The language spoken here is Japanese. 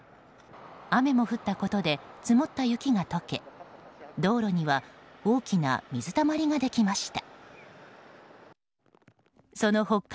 雨も降ったことで積もった雪が解け道路には大きな水たまりができました。